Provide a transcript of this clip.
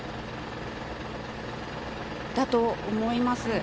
だと思います。